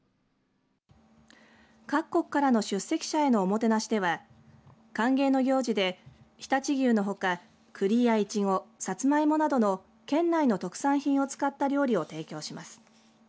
各国からの出席者へのおもてなしでは歓迎の行事で常陸牛のほかクリやイチゴ、サツマイモなどの県内の特産品を使った料理を提供します。